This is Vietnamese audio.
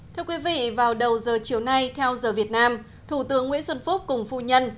thưa quý vị vào đầu giờ chiều nay theo giờ việt nam thủ tướng nguyễn xuân phúc cùng phu nhân